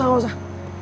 eh gak usah